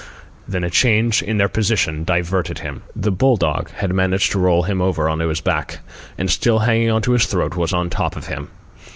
Then a change in their position diverted him. The bull dog had managed to roll him over on his back, and still hanging on to his throat, was on top of him.